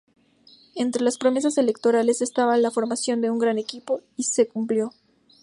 Entre las promesas electorales estaba la formación de un gran equipo, y se cumplió.